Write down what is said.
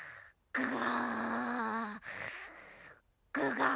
ぐが！